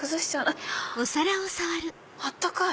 あっ温かい！